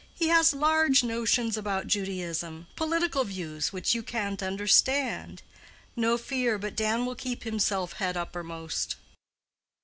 He has large notions about Judaism—political views which you can't understand. No fear but Dan will keep himself head uppermost."